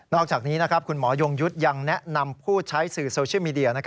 อกจากนี้คุณหมอยงยุทธ์ยังแนะนำผู้ใช้สื่อโซเชียลมีเดีย